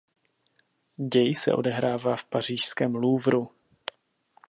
Děj se odehrává v pařížském Louvru.